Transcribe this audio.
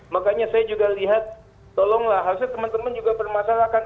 makanya saya juga lihat tolonglah harusnya teman teman juga bermasalahkan